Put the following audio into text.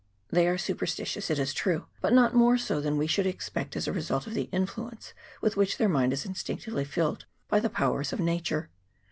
They are superstitious, it is true, but not more so than we should expect as the result of the influence with which their mind is instinctively filled by the powers of Nature.